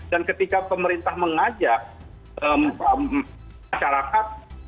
dan ketika pemerintah mengajak masyarakat